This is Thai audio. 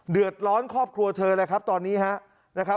เดือดร้อนครอบครัวเธอเลยครับตอนนี้นะครับ